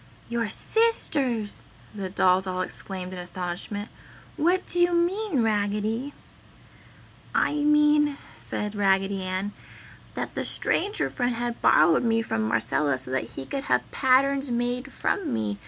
"Your SISTERS!" the dolls all exclaimed in astonishment, "What do you mean, Raggedy?" "I mean," said Raggedy Ann, "that the Stranger Friend had borrowed me from Marcella so that he could have patterns made from me.